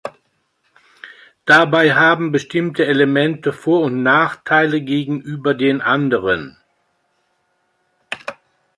Dabei haben bestimmte Elemente Vor- und Nachteile gegenüber den anderen.